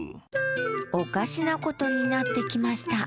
おかしなことになってきました